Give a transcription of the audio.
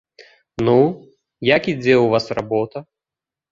Ну, як ідзе ў вас работа?